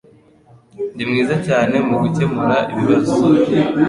Ndi mwiza cyane mugukemura ibibazo.